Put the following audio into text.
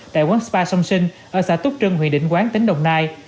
tại quán spa sông sinh ở xã túc trưng huyện định quán tỉnh đồng nai